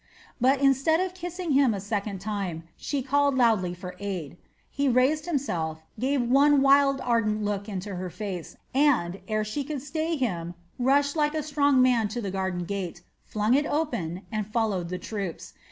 But instead of kissing him a second time she called loudly for aid. He raised himself, gave one wild, ardent look into her face and, ere she could stay him, rushed like a strong man to the garden gate, flung it open, and followed the troops.